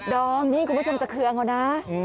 ดอมนี่คุณผู้ชมจะเคืองเอานะ